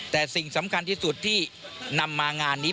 แต่สิ่งสำคัญที่สุดที่นำมางานนี้